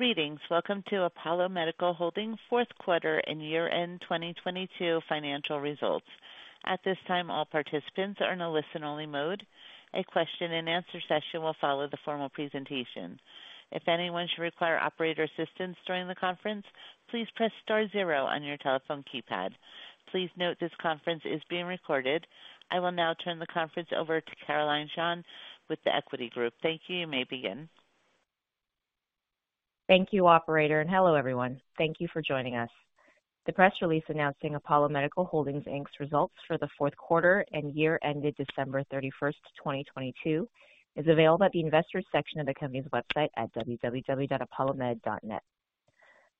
Greetings. Welcome to Apollo Medical Holdings fourth quarter and year-end 2022 financial results. At this time, all participants are in a listen-only mode. A question-and-answer session will follow the formal presentation. If anyone should require operator assistance during the conference, please press star zero on your telephone keypad. Please note this conference is being recorded. I will now turn the conference over to Caroline Shim with The Equity Group. Thank you. You may begin. Thank you, operator. Hello, everyone. Thank you for joining us. The press release announcing Apollo Medical Holdings Inc's results for the fourth quarter and year ended December 31st, 2022, is available at the investor section of the company's website at www.apollomed.net.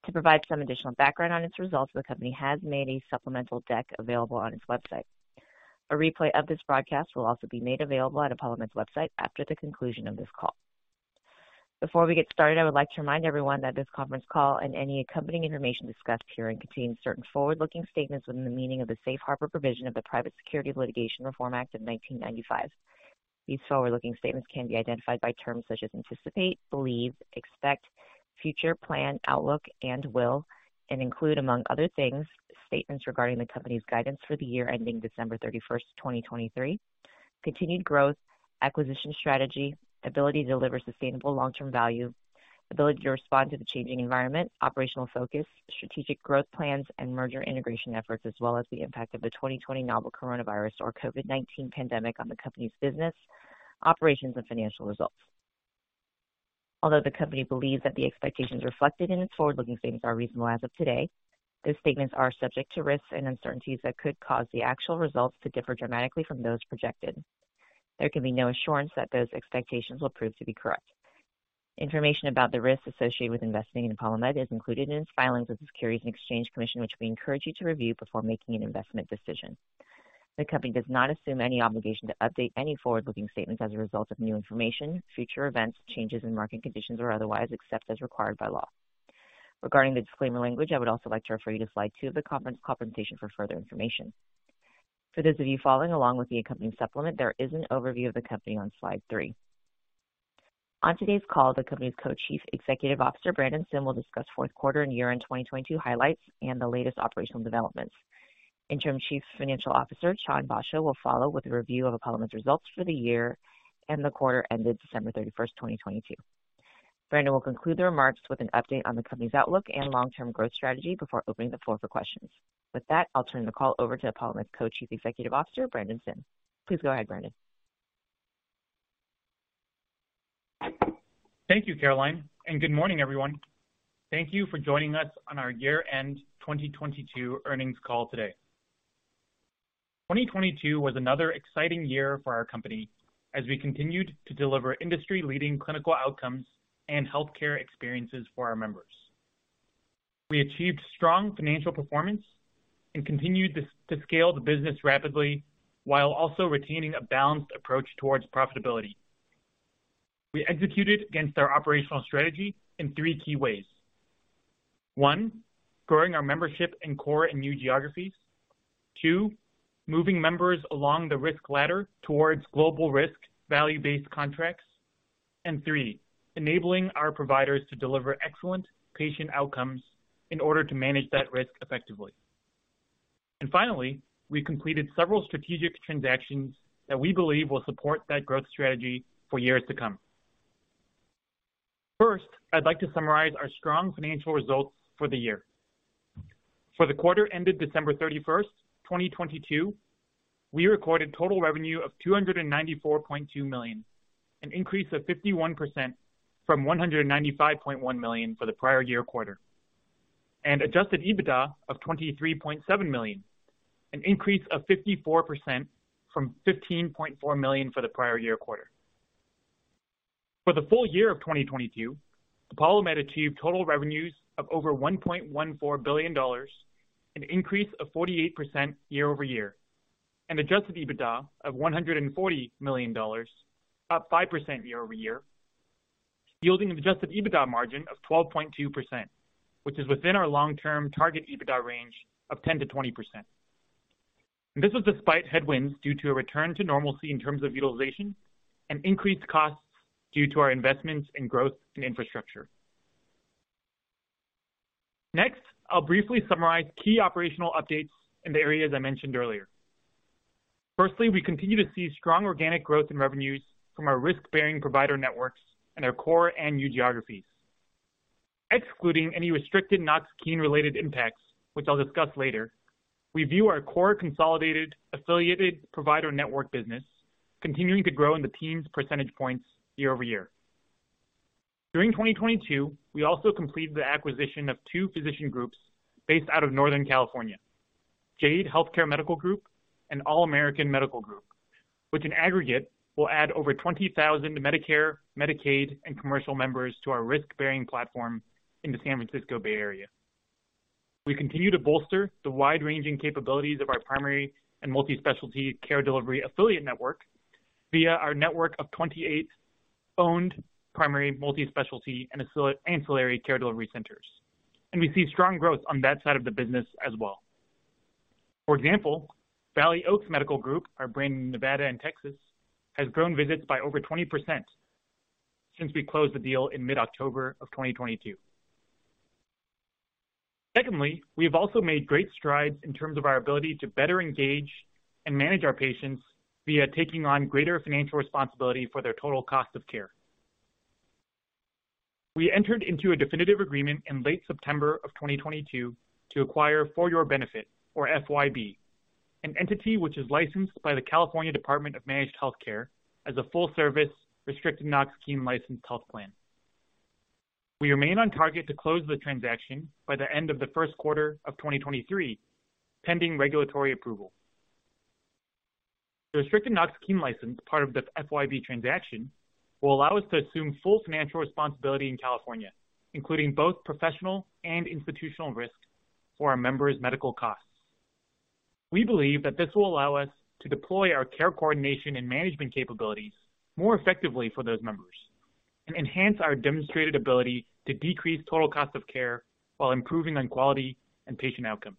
To provide some additional background on its results, the company has made a supplemental deck available on its website. A replay of this broadcast will also be made available at ApolloMed's website after the conclusion of this call. Before we get started, I would like to remind everyone that this conference call and any accompanying information discussed herein contains certain forward-looking statements within the meaning of the Safe Harbor provision of the Private Securities Litigation Reform Act of 1995. These forward-looking statements can be identified by terms such as anticipate, believe, expect, future plan, outlook, and will, and include, among other things, statements regarding the company's guidance for the year ending December 31st, 2023, continued growth, acquisition strategy, ability to deliver sustainable long-term value, ability to respond to the changing environment, operational focus, strategic growth plans, and merger integration efforts, as well as the impact of the 2020 novel coronavirus or COVID-19 pandemic on the company's business, operations, and financial results. Although the company believes that the expectations reflected in its forward-looking statements are reasonable as of today, those statements are subject to risks and uncertainties that could cause the actual results to differ dramatically from those projected. There can be no assurance that those expectations will prove to be correct. Information about the risks associated with investing in ApolloMed is included in its filings with the Securities and Exchange Commission, which we encourage you to review before making an investment decision. The company does not assume any obligation to update any forward-looking statements as a result of new information, future events, changes in market conditions, or otherwise, except as required by law. Regarding the disclaimer language, I would also like to refer you to slide 2 of the conference presentation for further information. For those of you following along with the accompanying supplement, there is an overview of the company on slide 3. On today's call, the company's Co-Chief Executive Officer, Brandon Sim, will discuss fourth quarter and year-end 2022 highlights and the latest operational developments. Interim Chief Financial Officer Chan Basho will follow with a review of ApolloMed's results for the year and the quarter ended December 31, 2022. Brandon will conclude the remarks with an update on the company's outlook and long-term growth strategy before opening the floor for questions. With that, I'll turn the call over to ApolloMed's Co-Chief Executive Officer, Brandon Sim. Please go ahead, Brandon. Thank you, Caroline Shim, good morning, everyone. Thank you for joining us on our year-end 2022 earnings call today. 2022 was another exciting year for our company as we continued to deliver industry-leading clinical outcomes and healthcare experiences for our members. We achieved strong financial performance and continued to scale the business rapidly while also retaining a balanced approach towards profitability. We executed against our operational strategy in three key ways. One, growing our membership in core and new geographies. Two, moving members along the risk ladder towards global risk value-based contracts. Three, enabling our providers to deliver excellent patient outcomes in order to manage that risk effectively. Finally, we completed several strategic transactions that we believe will support that growth strategy for years to come. First, I'd like to summarize our strong financial results for the year. For the quarter ended December 31, 2022, we recorded total revenue of $294.2 million, an increase of 51% from $195.1 million for the prior year quarter, adjusted EBITDA of $23.7 million, an increase of 54% from $15.4 million for the prior year quarter. For the full year of 2022, ApolloMed achieved total revenues of over $1.14 billion, an increase of 48% year-over-year, and adjusted EBITDA of $140 million, up 5% year-over-year, yielding an adjusted EBITDA margin of 12.2%, which is within our long-term target EBITDA range of 10%-20%. This was despite headwinds due to a return to normalcy in terms of utilization and increased costs due to our investments in growth and infrastructure. Next, I'll briefly summarize key operational updates in the areas I mentioned earlier. Firstly, we continue to see strong organic growth in revenues from our risk-bearing provider networks in our core and new geographies. Excluding any restricted Knox-Keene related impacts, which I'll discuss later, we view our core consolidated affiliated provider network business continuing to grow in the teens percentage points year-over-year. During 2022, we also completed the acquisition of 2 physician groups based out of Northern California, Jade Health Care Medical Group and All American Medical Group, which in aggregate will add over 20,000 Medicare, Medicaid, and commercial members to our risk-bearing platform in the San Francisco Bay Area. We continue to bolster the wide-ranging capabilities of our primary and multi-specialty care delivery affiliate network via our network of 28 owned primary multi-specialty and ancillary care delivery centers, and we see strong growth on that side of the business as well. For example, Valley Oaks Medical Group, our brand in Nevada and Texas, has grown visits by over 20% since we closed the deal in mid-October of 2022. Secondly, we have also made great strides in terms of our ability to better engage and manage our patients via taking on greater financial responsibility for their total cost of care. We entered into a definitive agreement in late September of 2022 to acquire For Your Benefit or FYB, an entity which is licensed by the California Department of Managed Health Care as a full-service Restricted Knox-Keene licensed health plan. We remain on target to close the transaction by the end of the first quarter of 2023, pending regulatory approval. The restricted Knox-Keene license, part of the FYB transaction, will allow us to assume full financial responsibility in California, including both professional and institutional risk for our members' medical costs. We believe that this will allow us to deploy our care coordination and management capabilities more effectively for those members and enhance our demonstrated ability to decrease total cost of care while improving on quality and patient outcomes.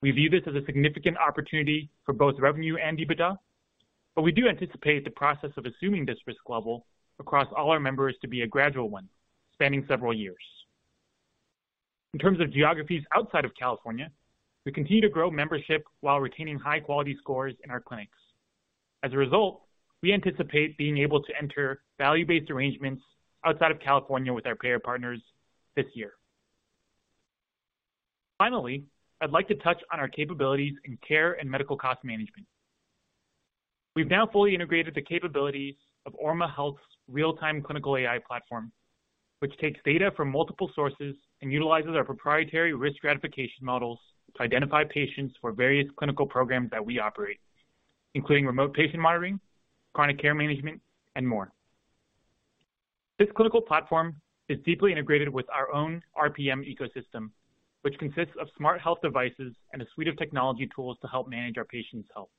We view this as a significant opportunity for both revenue and EBITDA, but we do anticipate the process of assuming this risk level across all our members to be a gradual one, spanning several years. In terms of geographies outside of California, we continue to grow membership while retaining high quality scores in our clinics. As a result, we anticipate being able to enter value-based arrangements outside of California with our payer partners this year. Finally, I'd like to touch on our capabilities in care and medical cost management. We've now fully integrated the capabilities of Orma Health's real-time clinical AI platform, which takes data from multiple sources and utilizes our proprietary risk stratification models to identify patients for various clinical programs that we operate, including remote patient monitoring, chronic care management, and more. This clinical platform is deeply integrated with our own RPM ecosystem, which consists of smart health devices and a suite of technology tools to help manage our patients' health.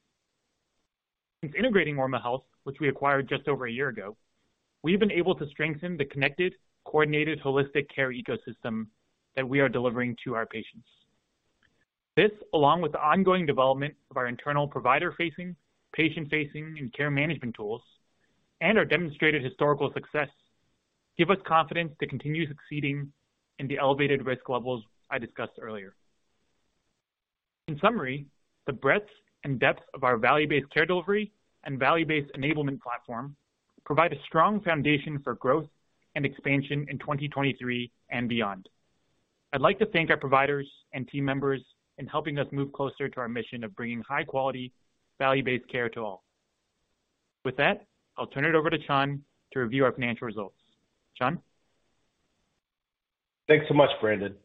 Since integrating Orma Health, which we acquired just over a year ago, we've been able to strengthen the connected, coordinated, holistic care ecosystem that we are delivering to our patients. This, along with the ongoing development of our internal provider-facing, patient-facing, and care management tools, and our demonstrated historical success, give us confidence to continue succeeding in the elevated risk levels I discussed earlier. In summary, the breadth and depth of our value-based care delivery and value-based enablement platform provide a strong foundation for growth and expansion in 2023 and beyond. I'd like to thank our providers and team members in helping us move closer to our mission of bringing high-quality, value-based care to all. With that, I'll turn it over to Sean to review our financial results. Sean? Thanks so much, Brandon.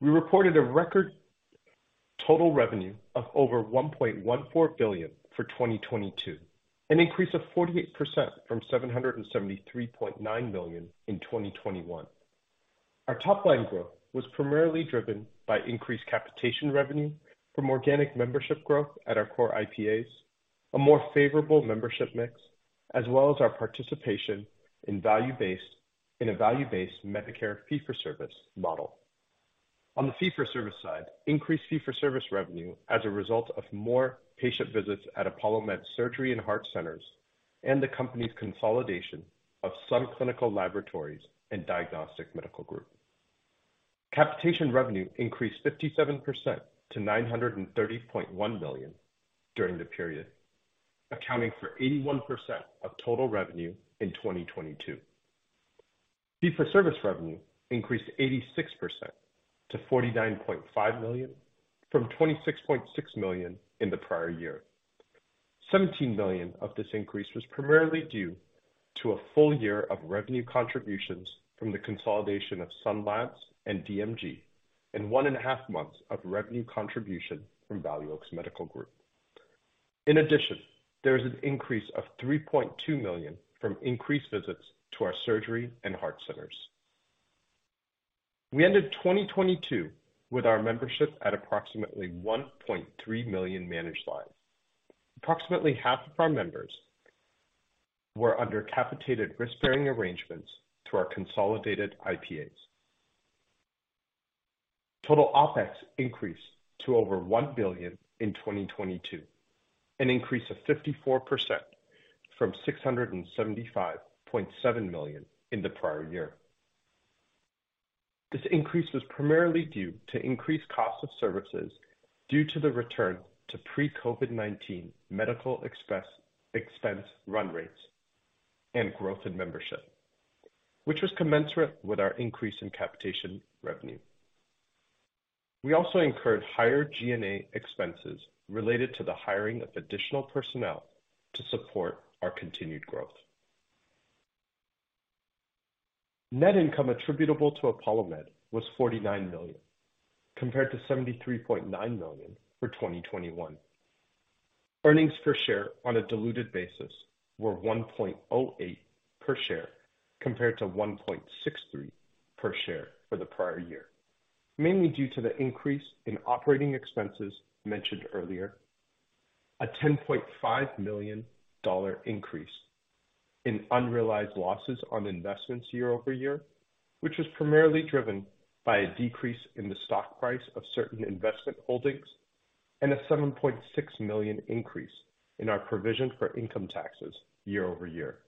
We reported a record total revenue of over $1.14 billion for 2022, an increase of 48% from $773.9 million in 2021. Our top line growth was primarily driven by increased capitation revenue from organic membership growth at our core IPAs, a more favorable membership mix, as well as our participation in a value-based Medicare fee for service model. On the fee for service side, increased fee for service revenue as a result of more patient visits at ApolloMed's surgery and heart centers and the company's consolidation of some clinical laboratories and diagnostic medical group. Capitation revenue increased 57% to $930.1 million during the period, accounting for 81% of total revenue in 2022. Fee for service revenue increased 86% to $49.5 million, from $26.6 million in the prior year. $17 million of this increase was primarily due to a full year of revenue contributions from the consolidation of Sun Labs and DMG, and one and a half months of revenue contribution from Valley Oaks Medical Group. In addition, there is an increase of $3.2 million from increased visits to our surgery and heart centers. We ended 2022 with our membership at approximately 1.3 million managed lives. Approximately half of our members were under capitated risk-bearing arrangements through our consolidated IPAs. Total OpEx increased to over $1 billion in 2022, an increase of 54% from $675.7 million in the prior year. This increase was primarily due to increased cost of services due to the return to pre-COVID-19 medical expense run rates and growth in membership, which was commensurate with our increase in capitation revenue. We also incurred higher G&A expenses related to the hiring of additional personnel to support our continued growth. Net income attributable to ApolloMed was $49 million, compared to $73.9 million for 2021. Earnings per share on a diluted basis were $1.08 per share, compared to $1.63 per share for the prior year, mainly due to the increase in operating expenses mentioned earlier. A $10.5 million increase in unrealized losses on investments year-over-year, which was primarily driven by a decrease in the stock price of certain investment holdings and a $7.6 million increase in our provision for income taxes year-over-year.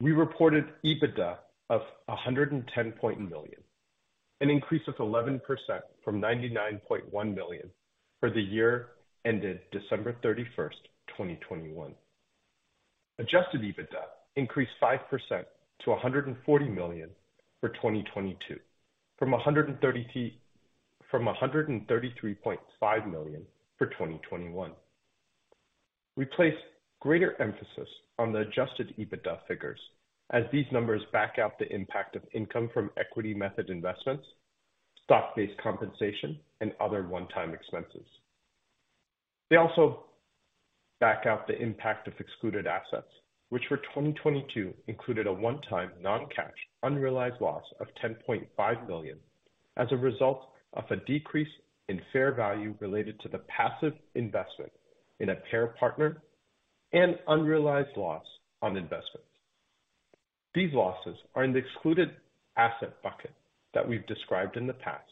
We reported EBITDA of $110 million, an increase of 11% from $99.1 million for the year ended December 31, 2021. Adjusted EBITDA increased 5% to $140 million for 2022, from $133.5 million for 2021. We place greater emphasis on the adjusted EBITDA figures as these numbers back out the impact of income from equity method investments, stock-based compensation, and other one-time expenses. They also back out the impact of excluded assets, which for 2022 included a one-time non-cash unrealized loss of $10.5 million as a result of a decrease in fair value related to the passive investment in a care partner and unrealized loss on investments. These losses are in the excluded asset bucket that we've described in the past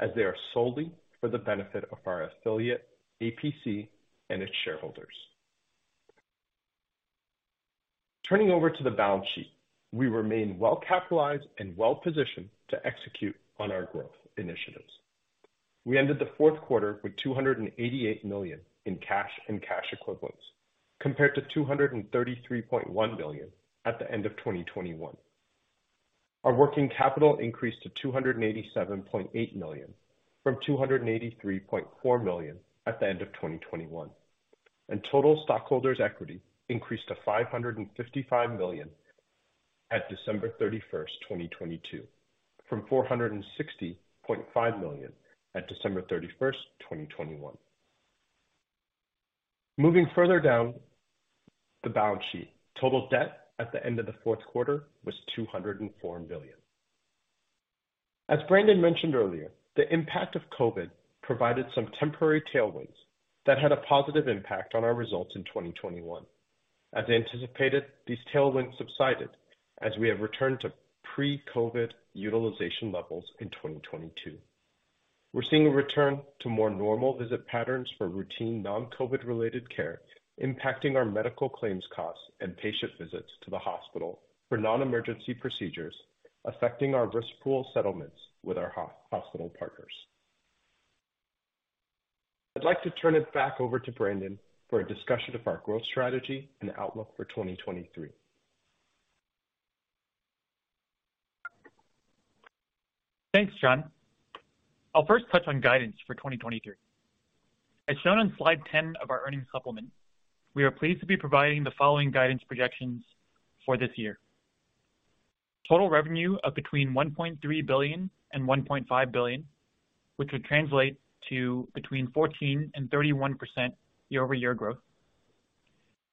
as they are solely for the benefit of our affiliate, APC, and its shareholders. Turning over to the balance sheet. We remain well capitalized and well-positioned to execute on our growth initiatives. We ended the fourth quarter with $288 million in cash and cash equivalents, compared to $233.1 million at the end of 2021. Our working capital increased to $287.8 million from $283.4 million at the end of 2021. Total stockholders' equity increased to $555 million at December 31, 2022, from $460.5 million at December 31, 2021. Moving further down the balance sheet, total debt at the end of the fourth quarter was $204 million. As Brandon mentioned earlier, the impact of COVID provided some temporary tailwinds that had a positive impact on our results in 2021. As anticipated, these tailwinds subsided as we have returned to pre-COVID utilization levels in 2022. We're seeing a return to more normal visit patterns for routine non-COVID-19 related care, impacting our medical claims costs and patient visits to the hospital for non-emergency procedures, affecting our risk pool settlements with our hospital partners. I'd like to turn it back over to Brandon for a discussion of our growth strategy and outlook for 2023. Thanks, Chan. I'll first touch on guidance for 2023. As shown on slide 10 of our earnings supplement, we are pleased to be providing the following guidance projections for this year. Total revenue of between $1.3 billion and $1.5 billion, which would translate to between 14% and 31% year-over-year growth.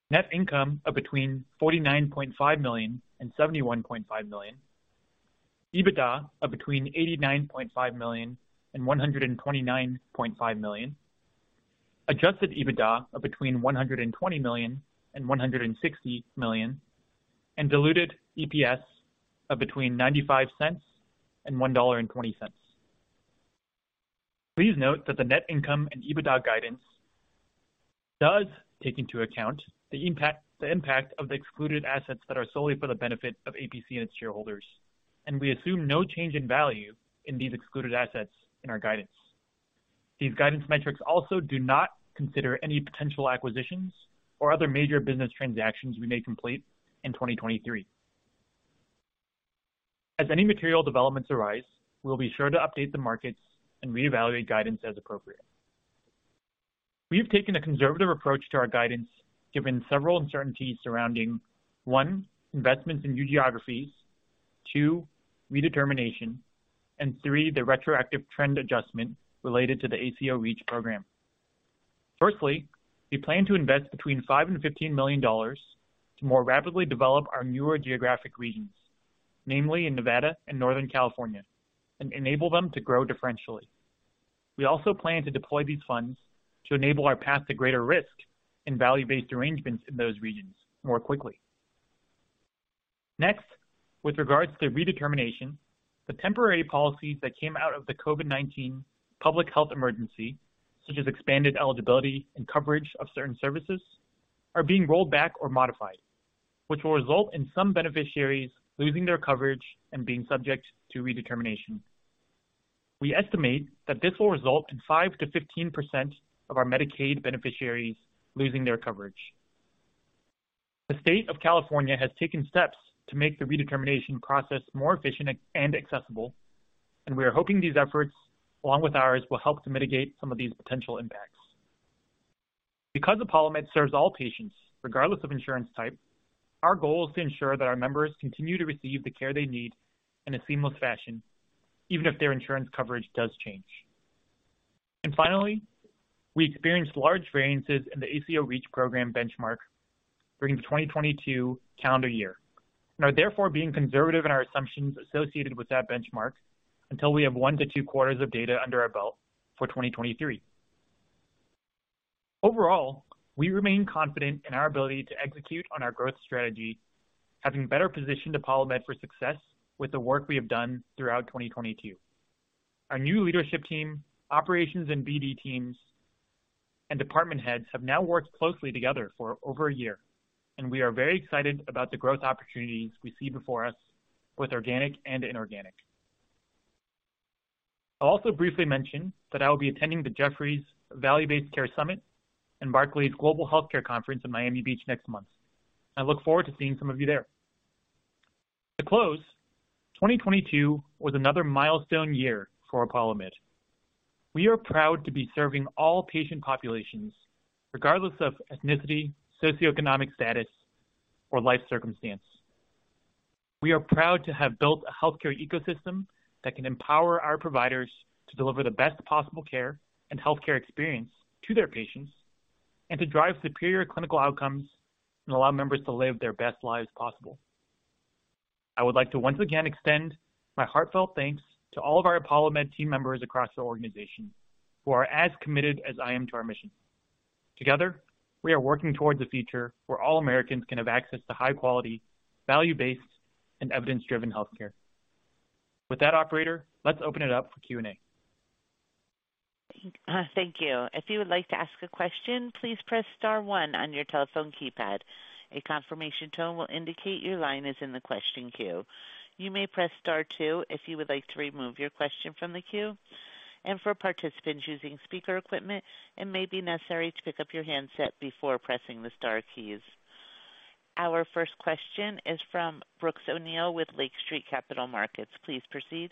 Net income of between $49.5 million and $71.5 million. EBITDA of between $89.5 million and $129.5 million. Adjusted EBITDA of between $120 million and $160 million. Diluted EPS of between $0.95 and $1.20. Please note that the net income and EBITDA guidance does take into account the impact of the excluded assets that are solely for the benefit of APC and its shareholders, and we assume no change in value in these excluded assets in our guidance. These guidance metrics also do not consider any potential acquisitions or other major business transactions we may complete in 2023. As any material developments arise, we'll be sure to update the markets and reevaluate guidance as appropriate. We have taken a conservative approach to our guidance, given several uncertainties surrounding, 1, investments in new geographies, 2, redetermination, and 3, the retroactive trend adjustment related to the ACO REACH program. We plan to invest between $5 million and $15 million to more rapidly develop our newer geographic regions, namely in Nevada and Northern California, and enable them to grow differentially. We also plan to deploy these funds to enable our path to greater risk in value-based arrangements in those regions more quickly. With regards to redetermination, the temporary policies that came out of the COVID-19 public health emergency, such as expanded eligibility and coverage of certain services, are being rolled back or modified, which will result in some beneficiaries losing their coverage and being subject to redetermination. We estimate that this will result in 5%-15% of our Medicaid beneficiaries losing their coverage. The State of California has taken steps to make the redetermination process more efficient and accessible, and we are hoping these efforts, along with ours, will help to mitigate some of these potential impacts. Because ApolloMed serves all patients, regardless of insurance type, our goal is to ensure that our members continue to receive the care they need in a seamless fashion, even if their insurance coverage does change. Finally, we experienced large variances in the ACO REACH program benchmark during the 2022 calendar year, and are therefore being conservative in our assumptions associated with that benchmark until we have 1 to 2 quarters of data under our belt for 2023. Overall, we remain confident in our ability to execute on our growth strategy, having better positioned ApolloMed for success with the work we have done throughout 2022. Our new leadership team, operations and BD teams, and department heads have now worked closely together for over a year, and we are very excited about the growth opportunities we see before us with organic and inorganic. I'll also briefly mention that I will be attending the Jefferies Value-Based Care Summit and Barclays Global Healthcare Conference in Miami Beach next month. I look forward to seeing some of you there. To close, 2022 was another milestone year for ApolloMed. We are proud to be serving all patient populations, regardless of ethnicity, socioeconomic status, or life circumstance. We are proud to have built a healthcare ecosystem that can empower our providers to deliver the best possible care and healthcare experience to their patients, and to drive superior clinical outcomes and allow members to live their best lives possible. I would like to once again extend my heartfelt thanks to all of our ApolloMed team members across the organization who are as committed as I am to our mission. Together, we are working towards a future where all Americans can have access to high quality, value-based, and evidence-driven healthcare. With that operator, let's open it up for Q&A. Thank you. If you would like to ask a question, please press star 1 on your telephone keypad. A confirmation tone will indicate your line is in the question queue. You may press star 2 if you would like to remove your question from the queue. For participants using speaker equipment, it may be necessary to pick up your handset before pressing the star keys. Our first question is from Brooks O'Neil with Lake Street Capital Markets. Please proceed.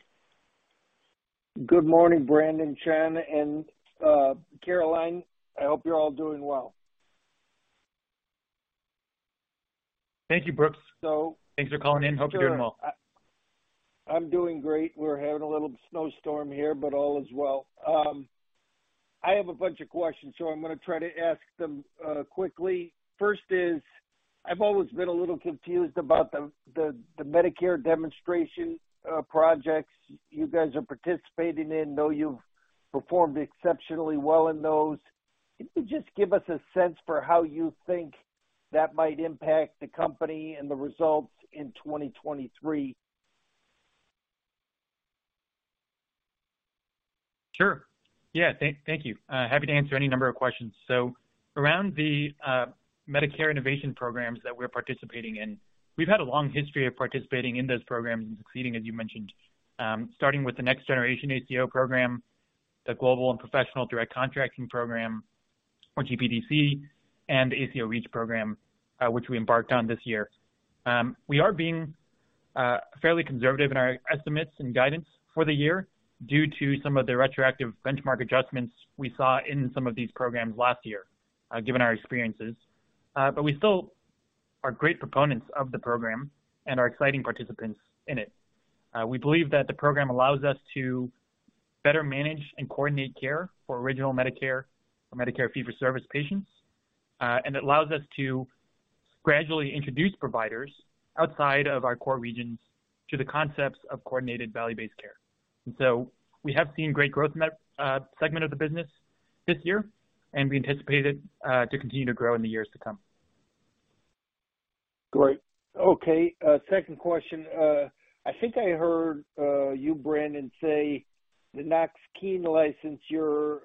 Good morning, Brandon, Chan, and Caroline. I hope you're all doing well. Thank you, Brooks. So- Thanks for calling in. Hope you're doing well. I'm doing great. We're having a little snowstorm here, All is well. I have a bunch of questions, I'm gonna try to ask them quickly. First is, I've always been a little confused about the Medicare demonstration projects you guys are participating in, though you've performed exceptionally well in those. Can you just give us a sense for how you think that might impact the company and the results in 2023? Sure. Yeah. Thank you. Happy to answer any number of questions. Around the Medicare innovation programs that we're participating in, we've had a long history of participating in those programs and succeeding, as you mentioned, starting with the Next Generation ACO program, the Global and Professional Direct Contracting program, or GPDC, and ACO REACH program, which we embarked on this year. We are being fairly conservative in our estimates and guidance for the year due to some of the retroactive benchmark adjustments we saw in some of these programs last year, given our experiences. We still are great proponents of the program and are exciting participants in it. We believe that the program allows us to better manage and coordinate care for original Medicare or Medicare fee-for-service patients, and it allows us to gradually introduce providers outside of our core regions to the concepts of coordinated value-based care. We have seen great growth in that segment of the business this year, and we anticipate it to continue to grow in the years to come. Great. Okay. Second question. I think I heard you, Brandon, say the Knox-Keene license you're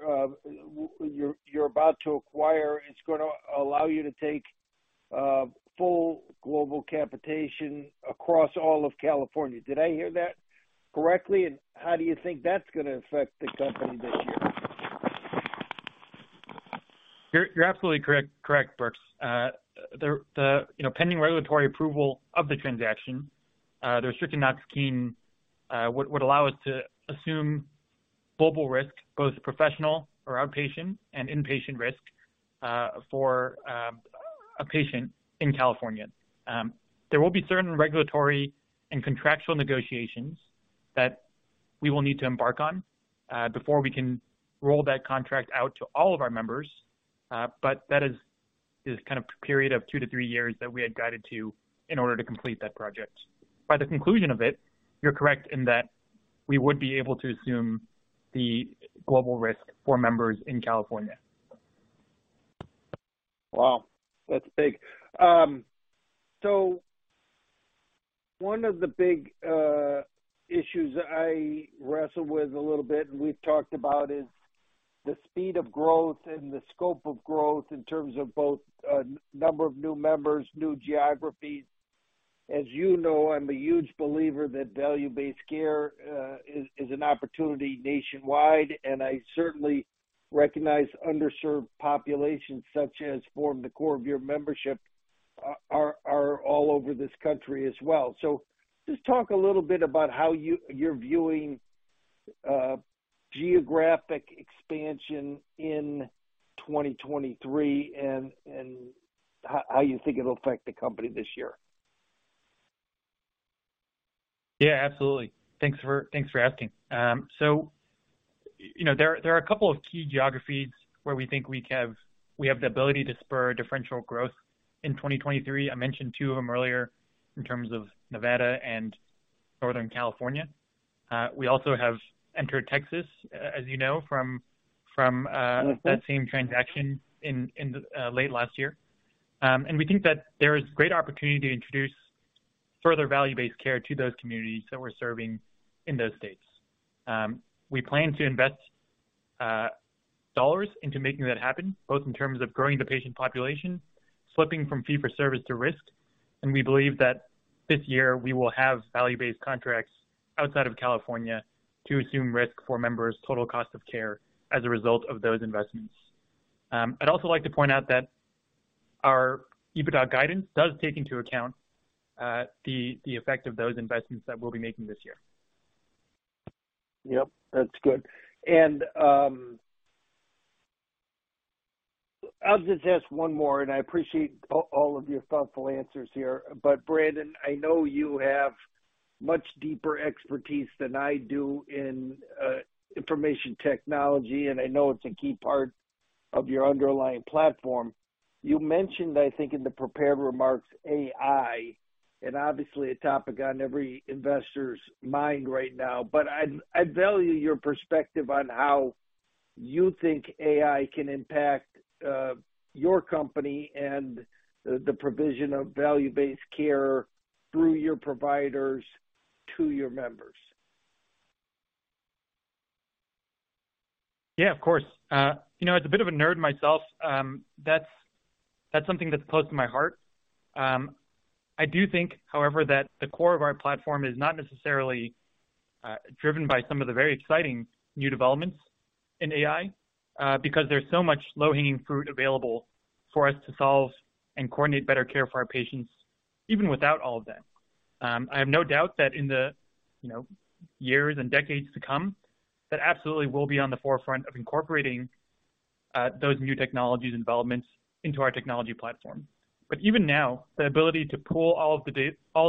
about to acquire is gonna allow you to take full global capitation across all of California. Did I hear that correctly? How do you think that's gonna affect the company this year? You're absolutely correct, Brooks. The, you know, pending regulatory approval of the transaction, the Restricted Knox-Keene would allow us to assume global risk, both professional or outpatient and inpatient risk for a patient in California. There will be certain regulatory and contractual negotiations that we will need to embark on before we can roll that contract out to all of our members. That is kind of period of 2 to 3 years that we had guided to in order to complete that project. By the conclusion of it, you're correct in that we would be able to assume the global risk for members in California. Wow. That's big. One of the big issues I wrestle with a little bit, and we've talked about, is the speed of growth and the scope of growth in terms of both number of new members, new geographies. As you know, I'm a huge believer that value-based care is an opportunity nationwide, and I certainly recognize underserved populations, such as form the core of your membership, are all over this country as well. Just talk a little bit about how you're viewing geographic expansion in 2023 and how you think it'll affect the company this year. Yeah, absolutely. Thanks for, thanks for asking. You know, there are a couple of key geographies where we think we have the ability to spur differential growth in 2023. I mentioned two of them earlier in terms of Nevada and Northern California. We also have entered Texas, as you know, from that same transaction in the late last year. We think that there is great opportunity to introduce further value-based care to those communities that we're serving in those states. We plan to invest dollars into making that happen, both in terms of growing the patient population, flipping from fee for service to risk, and we believe that this year we will have value-based contracts outside of California to assume risk for members' total cost of care as a result of those investments. I'd also like to point out that our EBITDA guidance does take into account the effect of those investments that we'll be making this year. Yep, that's good. I'll just ask one more, and I appreciate all of your thoughtful answers here. Brandon, I know you have much deeper expertise than I do in information technology, and I know it's a key part of your underlying platform. You mentioned, I think, in the prepared remarks, AI, and obviously a topic on every investor's mind right now. I'd value your perspective on how you think AI can impact your company and the provision of value-based care through your providers to your members. Yeah, of course. you know, as a bit of a nerd myself, that's something that's close to my heart. I do think, however, that the core of our platform is not necessarily driven by some of the very exciting new developments in AI, because there's so much low-hanging fruit available for us to solve and coordinate better care for our patients, even without all of that. I have no doubt that in the, you know, years and decades to come, that absolutely will be on the forefront of incorporating those new technologies and developments into our technology platform. Even now, the ability to pull all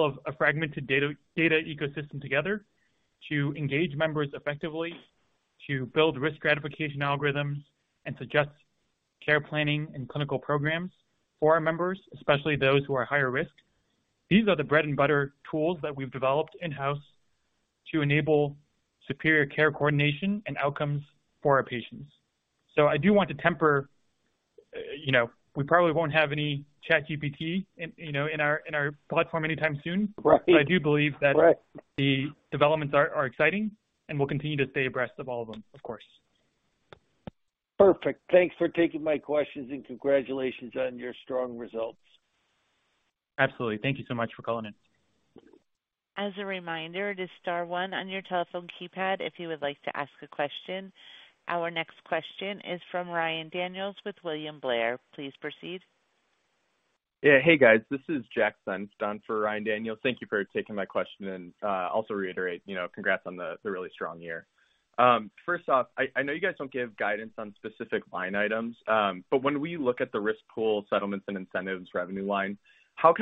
of a fragmented data ecosystem together to engage members effectively, to build risk stratification algorithms, and suggest care planning and clinical programs for our members, especially those who are higher risk. These are the bread and butter tools that we've developed in-house to enable superior care coordination and outcomes for our patients. I do want to temper, you know, we probably won't have any ChatGPT in, you know, in our platform anytime soon. Right. I do believe. Right. The developments are exciting and we'll continue to stay abreast of all of them, of course. Perfect. Thanks for taking my questions, and congratulations on your strong results. Absolutely. Thank you so much for calling in. As a reminder, it is star one on your telephone keypad if you would like to ask a question. Our next question is from Ryan Daniels with William Blair. Please proceed. Yeah. Hey, guys. This is Jack Senft in for Ryan Daniels. Thank you for taking my question, and also reiterate, you know, congrats on the really strong year. First off, I know you guys don't give guidance on specific line items, but when we look at the risk pool settlements and incentives revenue line, how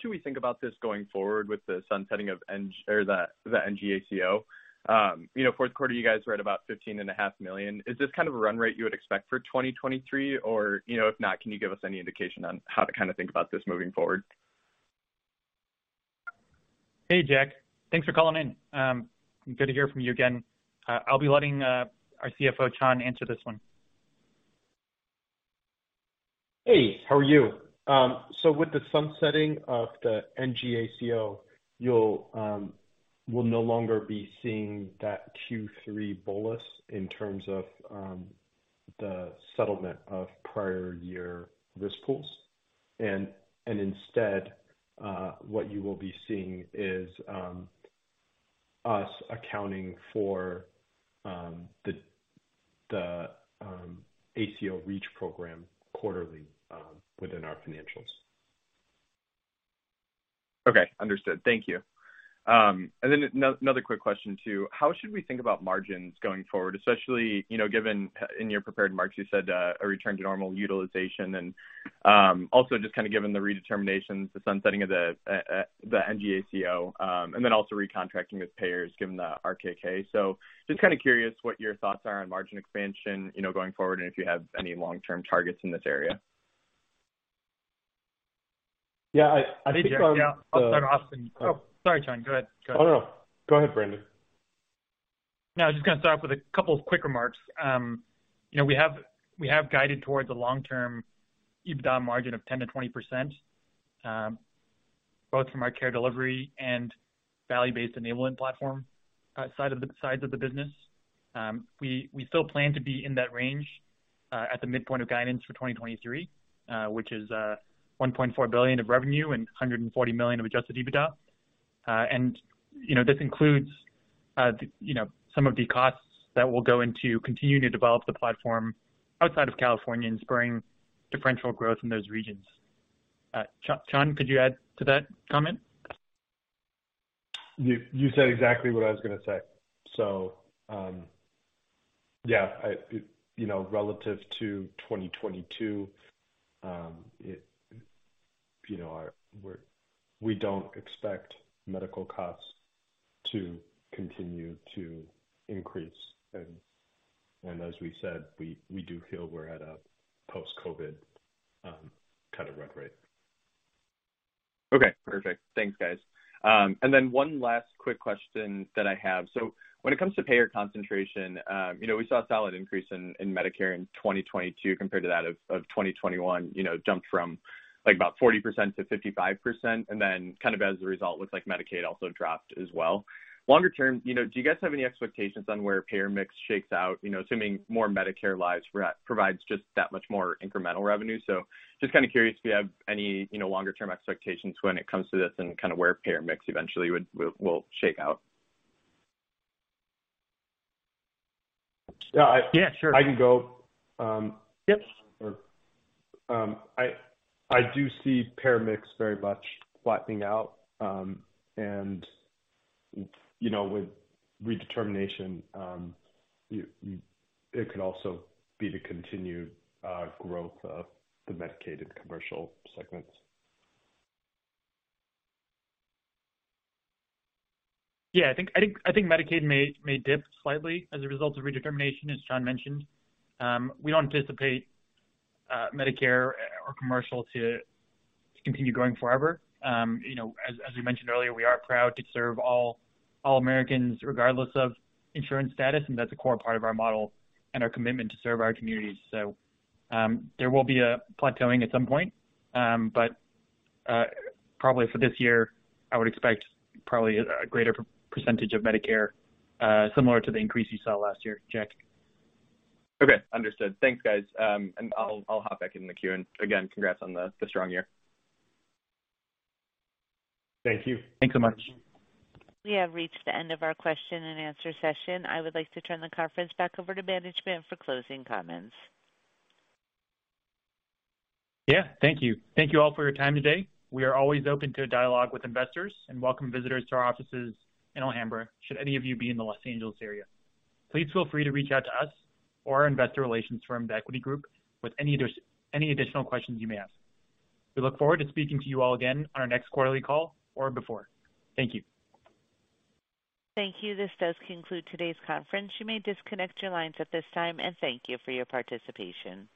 should we think about this going forward with the sunsetting of the NG ACO? You know, fourth quarter, you guys were at about $15.5 million. Is this kind of a run rate you would expect for 2023? Or, you know, if not, can you give us any indication on how to kinda think about this moving forward? Hey, Jack. Thanks for calling in. Good to hear from you again. I'll be letting our CFO, Chan, answer this one. Hey, how are you? With the sunsetting of the Next Generation ACO, you'll no longer be seeing that Q3 bolus in terms of the settlement of prior year risk pools. Instead, what you will be seeing is us accounting for the ACO REACH program quarterly within our financials. Okay. Understood. Thank you. Another quick question too: How should we think about margins going forward? Especially, you know, given in your prepared remarks, you said, a return to normal utilization and, also just kinda given the redeterminations, the sunsetting of the NG ACO, and then also recontracting with payers given the RKK. Just kinda curious what your thoughts are on margin expansion, you know, going forward and if you have any long-term targets in this area? Yeah. I think from the- Yeah. I'll start off then. Oh, sorry, Chan. Go ahead. Oh, no. Go ahead, Brandon. No, I was just gonna start off with a couple of quick remarks. You know, we have guided towards a long-term EBITDA margin of 10%-20%, both from our care delivery and value-based enablement platform, sides of the business. We still plan to be in that range, at the midpoint of guidance for 2023, which is $1.4 billion of revenue and $140 million of adjusted EBITDA. You know, this includes some of the costs that will go into continuing to develop the platform outside of California and spurring differential growth in those regions. Chuan, could you add to that comment? You said exactly what I was gonna say. Yeah, I, you know, relative to 2022, it, you know, we're, we don't expect medical costs to continue to increase. As we said, we do feel we're at a post-COVID, kind of run rate. Okay, perfect. Thanks, guys. One last quick question that I have. When it comes to payer concentration, you know, we saw a solid increase in Medicare in 2022 compared to that of 2021, you know, jumped from like about 40% to 55%. Kind of as a result, looks like Medicaid also dropped as well. Longer term, you know, do you guys have any expectations on where payer mix shakes out? You know, assuming more Medicare lives re-provides just that much more incremental revenue. Just kinda curious if you have any, you know, longer term expectations when it comes to this and kind of where payer mix eventually will shake out. Yeah, sure. I can go. Yes. I do see payer mix very much flattening out. You know, with redetermination, it could also be the continued growth of the Medicaid and commercial segments. I think Medicaid may dip slightly as a result of redetermination, as Chan mentioned. We don't anticipate Medicare or commercial to continue growing forever. You know, as we mentioned earlier, we are proud to serve all Americans regardless of insurance status, and that's a core part of our model and our commitment to serve our communities. There will be a plateauing at some point. Probably for this year, I would expect a greater percentage of Medicare, similar to the increase you saw last year, Jack. Okay. Understood. Thanks, guys. I'll hop back in the queue. Again, congrats on the strong year. Thank you. Thanks so much. We have reached the end of our question and answer session. I would like to turn the conference back over to management for closing comments. Yeah. Thank you. Thank you all for your time today. We are always open to a dialogue with investors and welcome visitors to our offices in Alhambra, should any of you be in the Los Angeles area. Please feel free to reach out to us or our investor relations firm, The Equity Group, with any additional questions you may have. We look forward to speaking to you all again on our next quarterly call or before. Thank you. Thank you. This does conclude today's conference. You may disconnect your lines at this time, and thank you for your participation.